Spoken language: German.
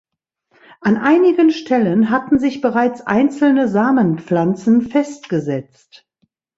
An einigen Stellen hatten sich bereits einzelne Samenpflanzen festgesetzt.